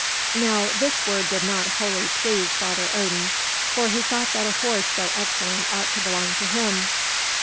Now this word did not wholly please Father Odin, for he thought that a horse so excellent ought to belong to him.